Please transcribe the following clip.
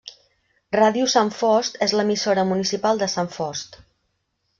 Ràdio Sant Fost és l’emissora municipal de Sant Fost.